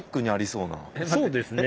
そうですね。